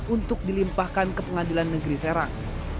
untuk dilimpahkan ke pengadilan negeri serang